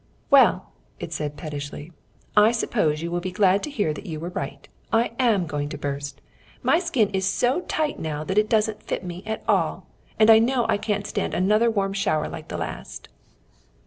"Well," it said, pettishly, "I suppose you will be glad to hear that you were right, I am going to burst. My skin is so tight now that it doesn't fit me at all, and I know I can't stand another warm shower like the last."